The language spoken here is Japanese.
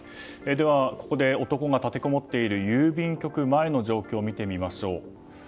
ここで、男が立てこもっている郵便局前の状況を見てみましょう。